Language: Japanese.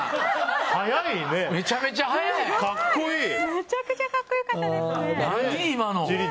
めちゃくちゃ格好良かったですね。